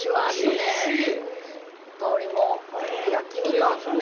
香りも焼きみかんのね。